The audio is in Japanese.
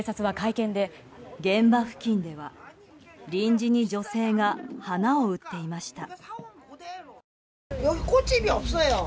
現場付近では臨時に、女性が花を売っていました。